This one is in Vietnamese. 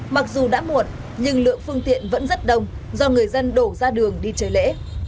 mặc dù đã muộn nhưng lượng phương tiện vẫn rất đông do người dân đổ ra đường đi chơi lễ